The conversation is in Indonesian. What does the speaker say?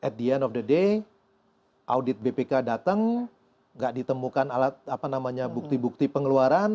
pada akhir hari audit bpk datang tidak ditemukan bukti bukti pengeluaran